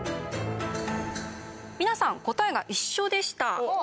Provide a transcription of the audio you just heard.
皆さん答えが一緒でした。